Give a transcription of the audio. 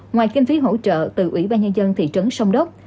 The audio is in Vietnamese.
ngoài kinh phí hỗ trợ từ ủy ban nhân dân thị trấn sông đốc